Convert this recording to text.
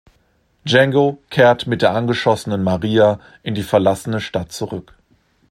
Django kehrt mit der angeschossenen Maria in die verlassene Stadt zurück.